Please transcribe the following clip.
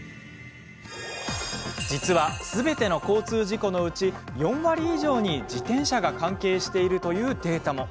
実は、すべての交通事故のうち４割以上に自転車が関係しているというデータも。